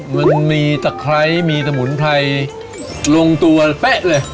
มันมีตะไคร้มีสมุนไพรลงตัวเป๊ะเลย